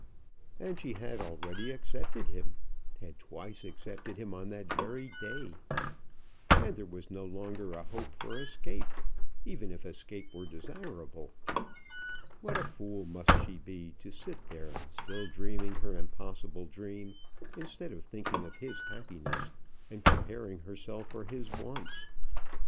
And she had already accepted him, had twice accepted him on that very day! And there was no longer a hope for escape, even if escape were desirable. What a fool must she be to sit there, still dreaming her impossible dream, instead of thinking of his happiness, and preparing herself for his wants!